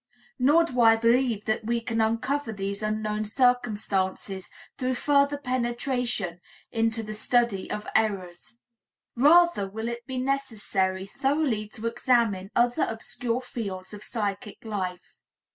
Nor do I believe that we can uncover these unknown circumstances through further penetration into the study of errors. Rather will it be necessary thoroughly to examine other obscure fields of psychic life.